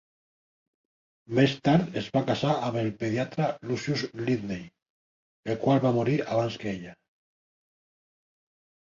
Més tard es va casar amb el pediatre Lucius Lindley, el qual va morir abans que ella.